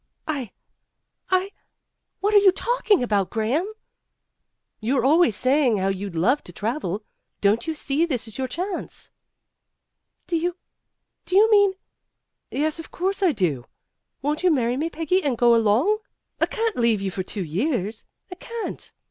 "I I what are you talking about Graham?" "You're always saying how you'd love to travel. Don't you see this is your chance." "Do you do you mean " "Yes, of course I do. Won't you marry me, Peggy, and go along? I can't leave you for two years. I can't.